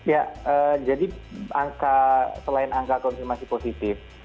ya jadi selain angka konfirmasi positif